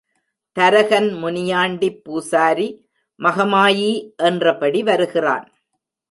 தரகன் முனியாண்டிப் பூசாரி மகமாயி என்றபடி வருகிறான்.